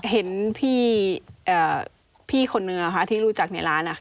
เห็นพี่คนหนึ่งอ่ะค่ะที่รู้จักในร้านอ่ะ